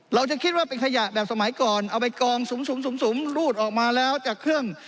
เราจะคิดว่าเป็นขยะแบบสมัยก่อนเอาไปกองสุ่มรูดออกมาแล้วจากเครื่อง